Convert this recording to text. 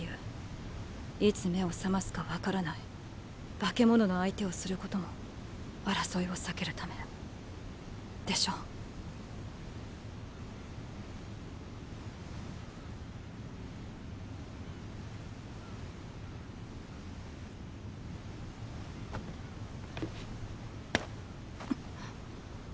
いつ目を覚ますかわからない「女型の巨人」の相手をすることも争いを避けるためでしょ？っ！